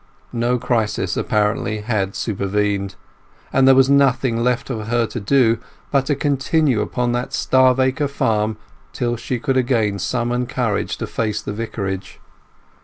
No crisis, apparently, had supervened; and there was nothing left for her to do but to continue upon that starve acre farm till she could again summon courage to face the Vicarage.